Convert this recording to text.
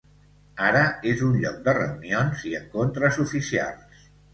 Ara és un lloc de reunions i encontres oficials.